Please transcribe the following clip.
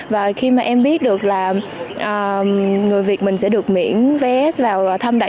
và khi mà em biết được là người việt mình sẽ được miễn vé vào thăm đại nội